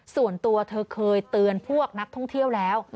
ส่วนตัวเธอเคยเตือนพวกนักท่องเที่ยวแล้ว